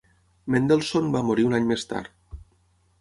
Mendelssohn va morir un any més tard.